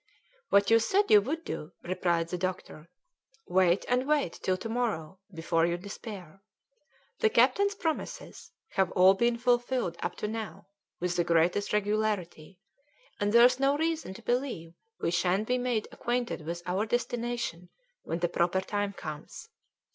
"What you said you would do," replied the doctor; "wait and wait till to morrow before you despair. The captain's promises have all been fulfilled up to now with the greatest regularity, and there's no reason to believe we shan't be made acquainted with our destination when the proper time comes.